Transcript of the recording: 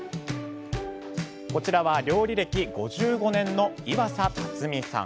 こちらは料理歴５５年のでは岩佐さん